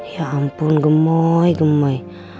ya ampun gemoy gemoy